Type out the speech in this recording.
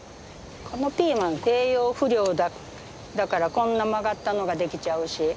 このピーマン栄養不良だからこんな曲がったのが出来ちゃうし。